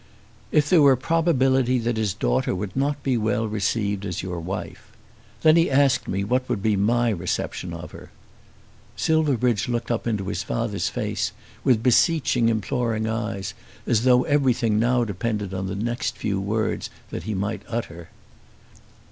"If there were probability that his daughter would not be well received as your wife. Then he asked me what would be my reception of her." Silverbridge looked up into his father's face with beseeching imploring eyes as though everything now depended on the next few words that he might utter.